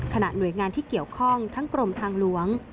หน่วยงานที่เกี่ยวข้องทั้งกรมทางหลวง